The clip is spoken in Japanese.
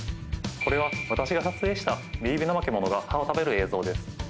これは私が撮影したミユビナマケモノが葉を食べる映像です。